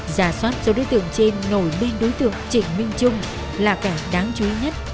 giả soát số đối tượng trên nổi lên đối tượng trịnh minh trung là kẻ đáng chú ý nhất